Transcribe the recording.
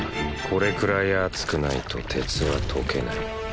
これくらい熱くないと鉄は溶けない。